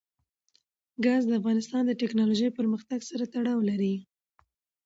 ګاز د افغانستان د تکنالوژۍ پرمختګ سره تړاو لري.